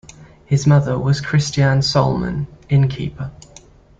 His mother was Christiane Sollmann, inn keeper.